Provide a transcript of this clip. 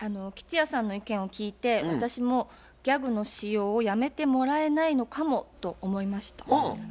吉弥さんの意見を聞いて私もギャグの使用をやめてもらえないのかもと思いました。